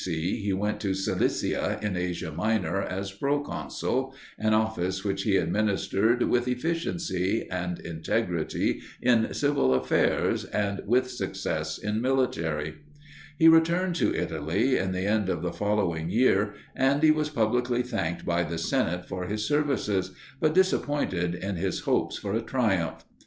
C. he went to Cilicia in Asia Minor as proconsul, an office which he administered with efficiency and integrity in civil affairs and with success in military. He returned to Italy in the end of the following year, and he was publicly thanked by the senate for his services, but disappointed in his hopes for a triumph.